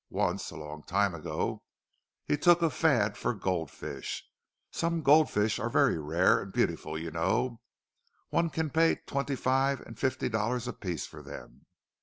Once, a long time ago, he took a fad for goldfish—some goldfish are very rare and beautiful, you know—one can pay twenty five and fifty dollars apiece for them.